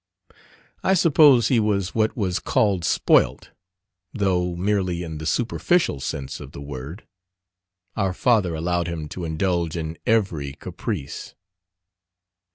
I suppose he was what was called spoilt, though merely in the superficial sense of the word. Our father allowed him to indulge in every caprice.